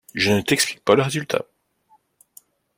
Je ne t’explique pas le résultat!